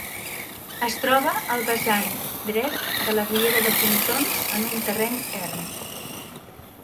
Es troba al vessant dret de la riera de Pontons en un terreny erm.